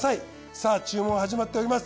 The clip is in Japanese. さぁ注文は始まっております。